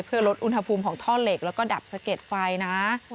คือลดอุณหภูมิของท่อเหล็กและดับเสกรรมไฟนะ